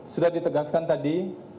sudah ditegaskan tadi